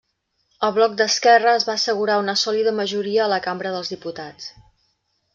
El Bloc d'Esquerra es va assegurar una sòlida majoria a la Cambra dels Diputats.